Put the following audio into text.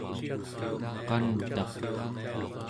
qantaq